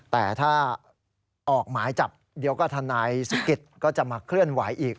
แต่ถ้าออกหมายจับเดี๋ยวก็ทนายสุกิตก็จะมาเคลื่อนไหวอีก